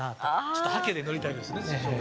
ちょっとハケでぬりたいですね。